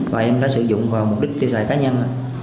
và em đã sử dụng vào mục đích tiêu xài cá nhân